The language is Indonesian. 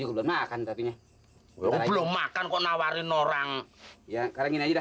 makan makan makan tapi belum makan kau nawarin orang ya karena udah nih hai